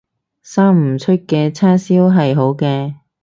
生唔出嘅叉燒係好嘅